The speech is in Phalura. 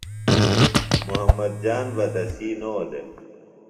محمد جان بہ تسی نو دےۡ